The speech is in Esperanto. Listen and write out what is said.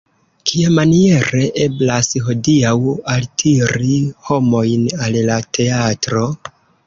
Kiamaniere eblas hodiaŭ altiri homojn al la teatro?